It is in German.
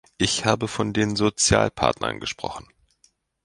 Ich habe von den Sozialpartnern gesprochen.